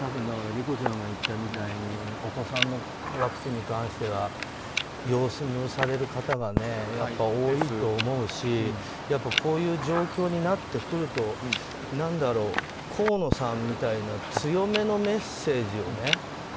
だから理子ちゃんが言ったみたいにお子さんのワクチンに関しては様子見をされる方がやっぱり多いと思うしこういう状況になってくると河野さんみたいな強めのメッセージをね。